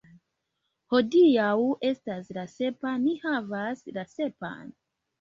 Hodiaŭ estas la sepa, ni havas la sepan.